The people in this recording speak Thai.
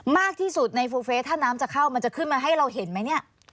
มากที่สุดในฟูเฟสถ้าน้ำจะเข้ามันจะขึ้นมาให้เราเห็นไหมเนี่ย